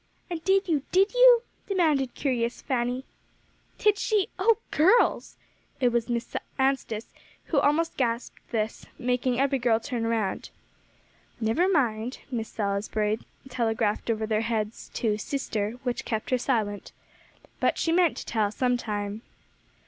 "And did you did you?" demanded curious Fanny. "Did she? oh, girls!" It was Miss Anstice who almost gasped this, making every girl turn around. "Never mind," Miss Salisbury telegraphed over their heads, to "sister," which kept her silent. But she meant to tell sometime.